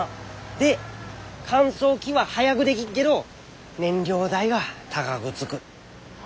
で乾燥機は早ぐでぎっけど燃料代が高ぐつく。